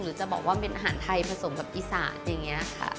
จะบอกว่าเป็นอาหารไทยผสมกับอีสานอย่างนี้ค่ะ